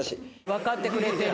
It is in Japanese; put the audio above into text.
分かってくれてる。